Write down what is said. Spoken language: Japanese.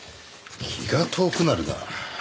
気が遠くなるな。